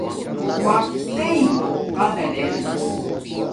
وقت تݵ قدر ارہ